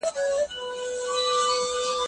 بې علمه استاد نورو ته لارښوونه نسي کولای.